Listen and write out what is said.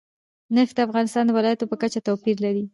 نفت د افغانستان د ولایاتو په کچه توپیر لري.